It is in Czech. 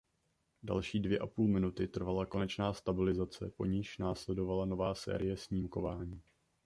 Další dvě a půl minuty trvala konečná stabilizace po niž následovala nová série snímkování.